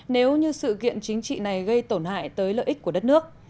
nếu như sự kiện chính trị này gây tổn hại tới lợi ích của đất nước